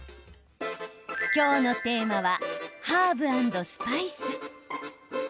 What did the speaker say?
今日のテーマはハーブ＆スパイス。